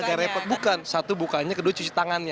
oke repot bukan satu bukanya kedua cuci tangannya